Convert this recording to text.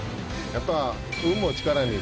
やっぱ。